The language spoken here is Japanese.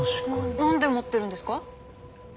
なんで持ってるんですか？